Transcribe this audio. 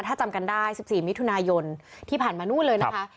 ถ้าจำกันได้สิบสี่มิถุนายนที่ผ่านมานู้นเลยนะคะครับ